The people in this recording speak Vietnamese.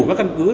các căn cứ